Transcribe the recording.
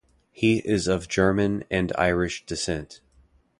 He is of German and Irish descent.